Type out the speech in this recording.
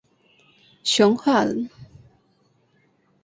熊化人。